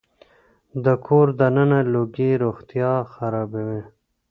د کور دننه لوګي روغتيا خرابوي.